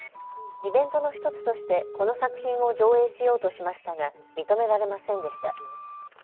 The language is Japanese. イベントの１つとしてこの作品を上映しようとしましたが認められませんでした。